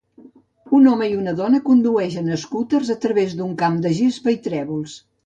un home i una dona condueixen escúters a través d'un camp de gespa i trèvols.